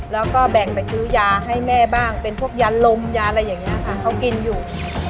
แล้วก็แบ่งไปซื้อยาให้แม่บ้างเป็นพวกยาลมยาอะไรอย่างนี้ค่ะเขากินอยู่